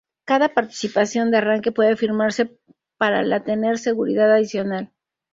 Cada partición de arranque puede firmarse para la tener seguridad adicional.